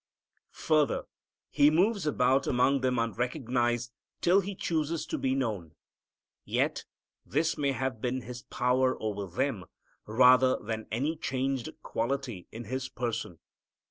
Further, He moves about among them unrecognized till He chooses to be known. Yet this may have been His power over them rather than any changed quality in His person.